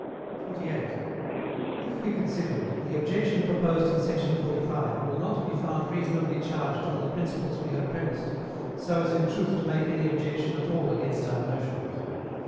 48. If we consider it, the objection proposed in sect. 45 will not be found reasonably charged on the principles we have premised, so as in truth to make any objection at all against our notions.